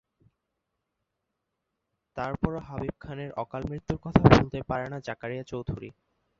তারপরও হাবিব খানের অকাল মৃত্যুর কথা ভুলতে পারেনা জাকারিয়া চৌধুরী।